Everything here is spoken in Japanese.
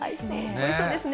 おいしそうですね。